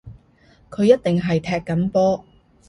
佢一定係踢緊波